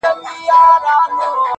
• نور مغروره سو لويي ځني کيدله,